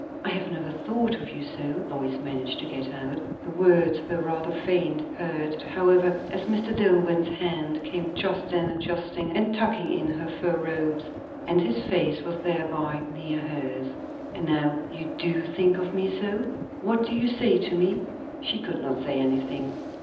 "I have never thought of you so," Lois managed to get out. The words were rather faint, heard, however, as Mr. Dillwyn's hand came just then adjusting and tucking in her fur robes, and his face was thereby near hers. "And now you do think of me so? What do you say to me?" She could not say anything.